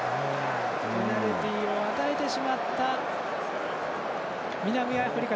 ペナルティを与えてしまった南アフリカ。